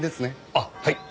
あっはい。